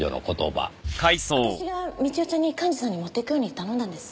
私が美知代ちゃんに幹事さんに持っていくように頼んだんです。